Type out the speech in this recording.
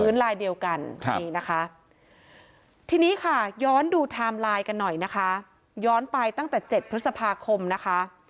ลายเดียวกันนี่นะคะทีนี้ค่ะย้อนดูไทม์ไลน์กันหน่อยนะคะย้อนไปตั้งแต่๗พฤษภาคมนะคะ